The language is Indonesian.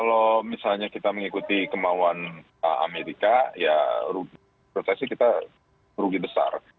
kalau misalnya kita mengikuti kemauan amerika ya prosesnya kita rugi besar